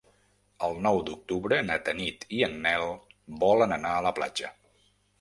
El nou d'octubre na Tanit i en Nel volen anar a la platja.